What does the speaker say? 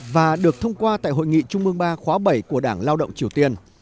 và được thông qua tại hội nghị trung mương ba khóa bảy của đảng lao động triều tiên